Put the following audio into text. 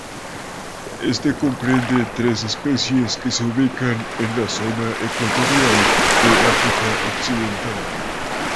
Éste comprende tres especies que se ubican en la zona ecuatorial de África Occidental.